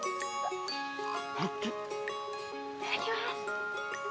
いただきます。